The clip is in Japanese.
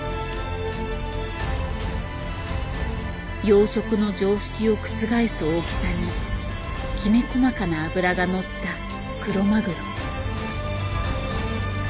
養殖の常識を覆す大きさにきめ細かな脂が乗ったクロマグロ。